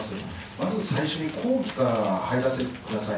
まず最初にから入らせてください。